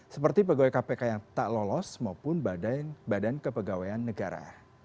seperti pegawai kpk yang tak lolos maupun badan kepegawaian negara